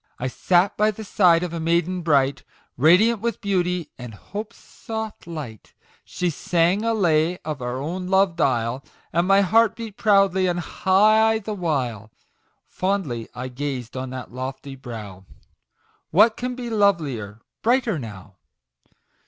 *#*# I sat by the side of a maiden bright, Radiant with Beauty, and Hope's soft light ; She sang a lay of our own loved isle, And my heart beat proudly and high the while. Fondly I gazed on that lofty brow " What can be lovelier brighter now